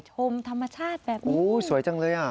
ชมธรรมชาติแบบนี้โอ้โหสวยจังเลยอ่ะ